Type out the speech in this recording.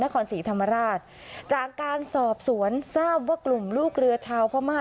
นครศรีธรรมราชจากการสอบสวนทราบว่ากลุ่มลูกเรือชาวพม่า